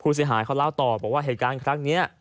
เสียหายเขาเล่าต่อบอกว่าเหตุการณ์ครั้งนี้